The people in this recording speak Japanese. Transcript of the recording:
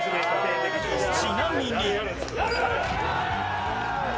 ちなみに。